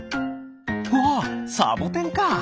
ああサボテンか！